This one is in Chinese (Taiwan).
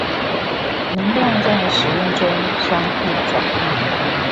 能量在使用中相互轉換